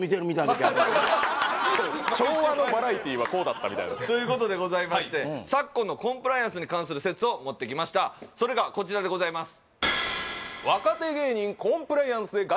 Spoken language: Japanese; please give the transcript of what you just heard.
そう昭和のバラエティーはこうだったみたいなということでございまして昨今のコンプライアンスに関する説を持ってきましたそれがこちらでございます